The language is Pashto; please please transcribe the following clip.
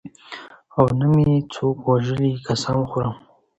او نه مې څوک وژلي قسم خورم.